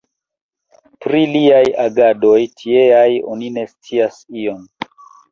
Pri liaj agadoj tieaj oni ne scias ion.